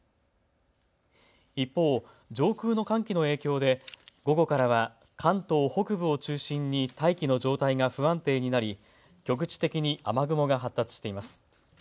一方、上空の寒気の影響で午後からは関東北部を中心に大気の状態が不安定になり局地的に雨雲が発達しています。